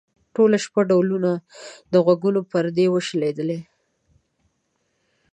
ټوله شپه ډولونه؛ د غوږونو پردې وشلېدې.